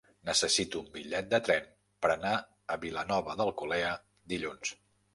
Necessito un bitllet de tren per anar a Vilanova d'Alcolea dilluns.